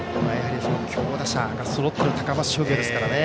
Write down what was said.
強打者がそろっている高松商業ですからね。